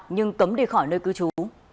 nhưng cấm đi khỏi nơi cư trú